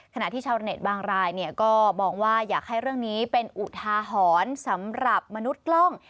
ขณะที่ชาวเน็ตบางรายเนี่ยก็มองว่าอยากให้เรื่องนี้เป็นอุทาหรณ์สำหรับมนุษย์กล้อง